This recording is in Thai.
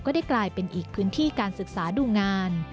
ได้กลายเป็นอีกพื้นที่การศึกษาดูงาน